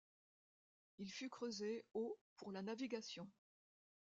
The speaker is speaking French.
Il fut creusé au pour la navigation.